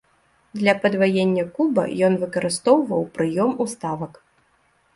Для падваення куба ён выкарыстоўваў прыём уставак.